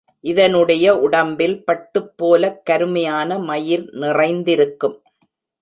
இதனுடைய உடம்பில் பட்டுப்போலக் கருமையான மயிர் நிறைந்திருக்கும்.